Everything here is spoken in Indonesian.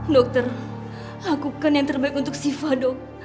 dokter lakukan yang terbaik untuk siva dok